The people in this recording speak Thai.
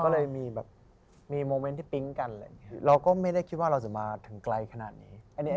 เราก็ไม่ได้คิดว่าเราจะมาถึงไกลขนาดนี้